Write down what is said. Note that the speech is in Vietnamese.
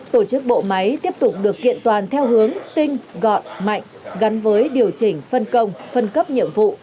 tổ chức bộ máy tiếp tục được kiện toàn theo hướng tinh gọn mạnh gắn với điều chỉnh phân công phân cấp nhiệm vụ